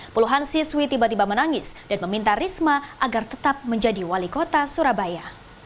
puluhan siswi tiba tiba menangis dan meminta risma agar tetap menjadi wali kota surabaya